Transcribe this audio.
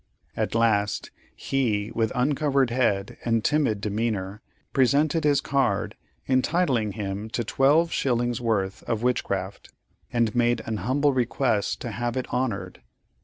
At last, he with uncovered head and timid demeanor presented his card entitling him to twelve shillings' worth of witchcraft, and made an humble request to have it honored.